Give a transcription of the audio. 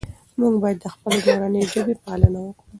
موږ باید د خپلې مورنۍ ژبې پالنه وکړو.